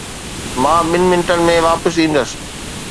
مان ٻن منٽن ۾ واپس ايندس